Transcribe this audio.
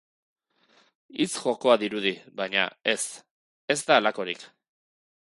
Hitz-jokoa dirudi baina, ez, ez da halakorik.